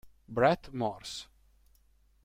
Brett Morse